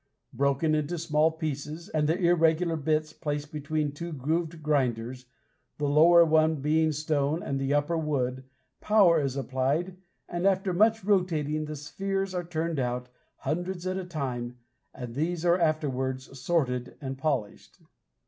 Broken into small pieces, and the irregular bits placed between two grooved grinders, the lower one being stone and the upper wood, power is applied, and after much rotating the spheres are turned out, hundreds at a time, and these are afterwards sorted and polished.